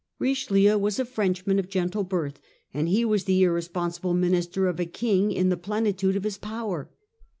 Richelieu was a Frenchman of gentle birth, and he was the irresponsible minister of a King in the plenitude of his power.